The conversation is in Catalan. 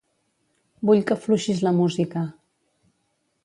Vull que afluixis la música.